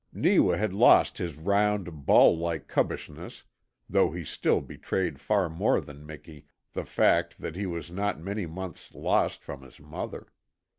Neewa had lost his round, ball like cubbishness, though he still betrayed far more than Miki the fact that he was not many months lost from his mother.